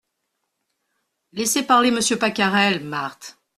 Laissez parler Monsieur Pacarel, Marthe .